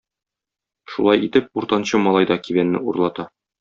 Шулай итеп, уртанчы малай да кибәнне урлата.